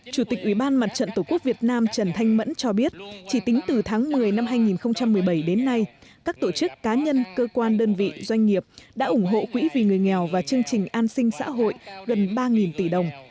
chủ tịch ủy ban mặt trận tổ quốc việt nam trần thanh mẫn cho biết chỉ tính từ tháng một mươi năm hai nghìn một mươi bảy đến nay các tổ chức cá nhân cơ quan đơn vị doanh nghiệp đã ủng hộ quỹ vì người nghèo và chương trình an sinh xã hội gần ba tỷ đồng